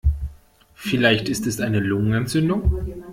Vielleicht ist es eine Lungenentzündung.